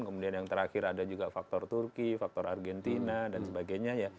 kemudian yang terakhir ada juga faktor turki faktor argentina dan sebagainya ya